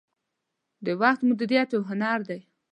• د وخت مدیریت یو هنر دی.